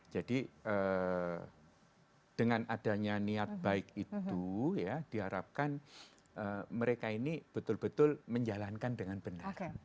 jadi dengan adanya niat baik itu ya diharapkan mereka ini betul betul menjalankan dengan benar